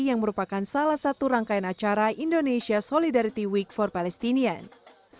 yang merupakan salah satu rangkaian acara indonesia solidarity week for palestinian